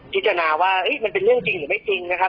พิจารณาว่ามันเป็นเรื่องจริงหรือไม่จริงนะครับ